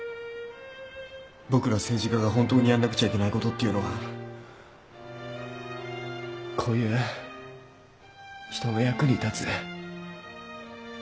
僕ら政治家が本当にやんなくちゃいけないことっていうのはこういう人の役に立つ。